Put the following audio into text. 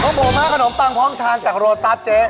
ของผมฮะขนมปังพร้อมทานจากโรตัสเจ๊